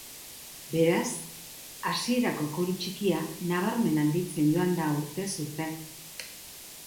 Beraz, hasierako koru txikia, nabarmen handitzen joan da urtez urte.